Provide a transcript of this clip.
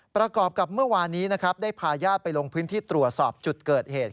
ประกอบกับเมื่อวานนี้นะครับได้พาญาติไปลงพื้นที่ตรวจสอบจุดเกิดเหตุ